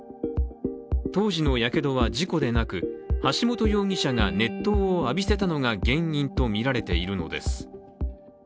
当時のやけどは事故でなく橋本容疑者が熱湯を浴びせたのが原因とみられているのです。